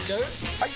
・はい！